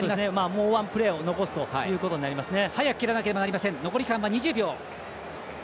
もうワンプレーを残すということになりますね。